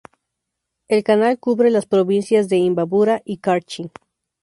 El canal cubre las provincias de Imbabura y Carchi.